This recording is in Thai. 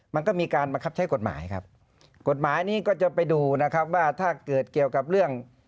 มันก็มีการบังคับใช้กฎหมายครับกฎหมายนี้ก็จะไปดูนะครับว่าถ้าเกิดเกี่ยวกับเรื่อง